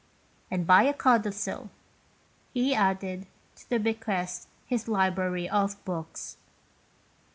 And by a codicil, he added to the bequest his library of books.